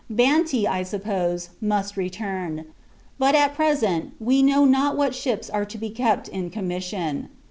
Banti, I suppose, must return; but, at present, we know not what ships are to be kept in commission.